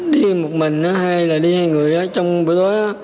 đi một mình hay là đi hai người trong buổi tối